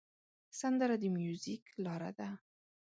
سندره د میوزیک لاره ده